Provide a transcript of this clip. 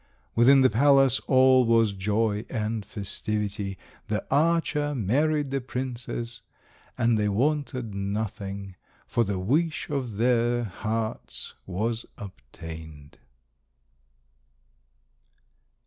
Within the palace all was joy and festivity. The archer married the princess, and they wanted nothing, for the wish of their hearts was obtained.